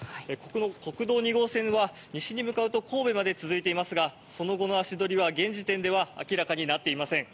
国道２号線は西に向かうと神戸まで続いていますがその後の足取りは現時点では明らかになっていません。